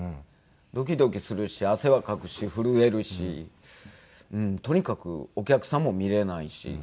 ドキドキするし汗はかくし震えるしとにかくお客さんも見れないし。